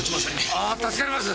ああ助かります。